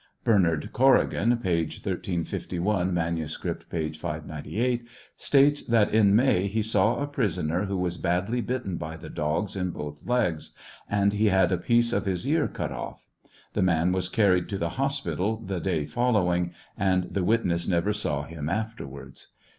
Bernard Corrigan (p. 1351 ; manuscript, p. 598) states that in May he saw a prisoner who was badly bitten by the dogs in both legs, and he had a piece of his ear cut off. The man was carried to the hospital the day following, and the witness never saw him afterwards.